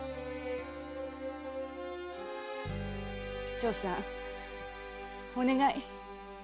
長さんお願い。